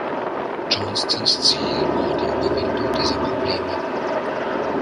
Johnstons Ziel war die Überwindung dieser Probleme.